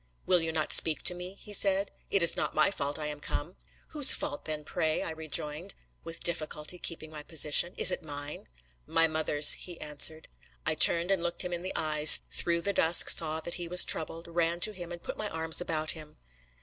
"Will you not speak to me?" he said. "It is not my fault I am come." "Whose fault then, pray?" I rejoined, with difficulty keeping my position. "Is it mine?" "My mother's," he answered. I turned and looked him in the eyes, through the dusk saw that he was troubled, ran to him, and put my arms about him.